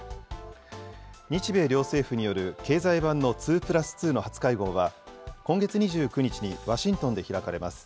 日米両政府による経済版の２プラス２の初会合は、今月２９日にワシントンで開かれます。